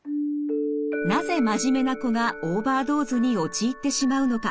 なぜ真面目な子がオーバードーズに陥ってしまうのか。